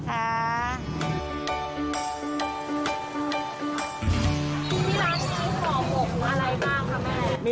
ที่ร้านนี้ของห่อมกอะไรบ้างคะแม่